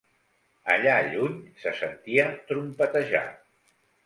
Allà lluny se sentia trompetejar.